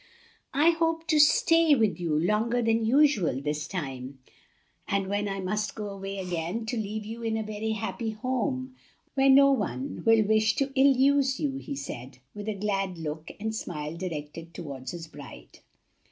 "I hope to stay with you longer than usual this time, and when I must go away again to leave you in a very happy home, where no one will wish to ill use you," he said, with a glad look and smile directed toward his bride.